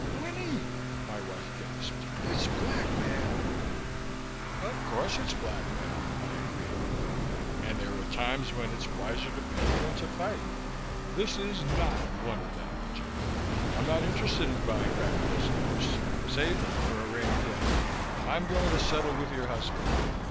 "Winnie!" my wife gasped. "It's blackmail!" "Of course it's blackmail," I agreed, "and there are times when it's wiser to pay than to fight. This is not one of them. Virginia, I'm not interested in buying back those letters. Save them for a rainy day. I'm going to settle with your husband.